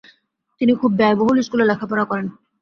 তিনি খুব ব্যয়বহুল স্কুলে লেখাপড়া করেন।